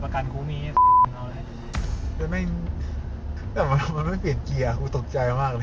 ประกันกูมีนี่มันไม่เปลี่ยนเกียร์อะกูตกใจมากเลย